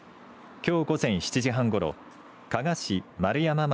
きょう午前７時半ごろ加賀市丸山町